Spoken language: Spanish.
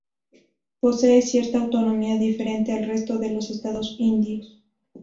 Posee cierta autonomía diferente al resto de los estados indios.